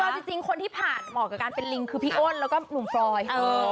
เอาจริงคนที่ผ่านเหมาะกับการเป็นลิงคือพี่อ้นแล้วก็หนุ่มฟรอย